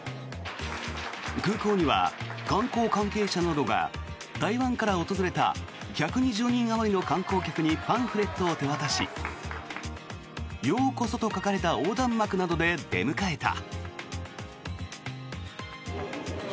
空港には観光関係者などが台湾から訪れた１２０人あまりの観光客にパンフレットを手渡し「ようこそ」と書かれた横断幕などで出迎えた。